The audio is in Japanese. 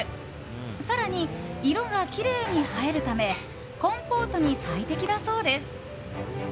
更に、色がきれいに映えるためコンポートに最適だそうです。